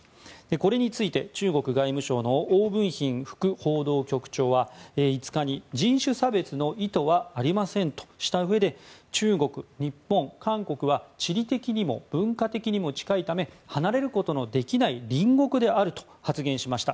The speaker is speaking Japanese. これについて、中国外務省のオウ・ブンヒン副報道局長は５日に人種差別の意図はありませんとしたうえで中国・日本・韓国は地理的にも文化的にも近いため離れることのできない隣国であると発言しました。